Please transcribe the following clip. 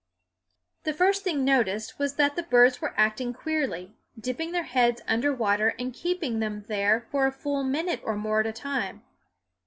The first thing noticed was that the birds were acting queerly, dipping their heads under water and keeping them there for a full minute or more at a time.